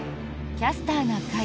「キャスターな会」。